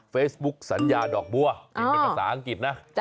เฟซบุ๊กสัญญาดอกบัวที่เป็นภาษาอังกฤษนะ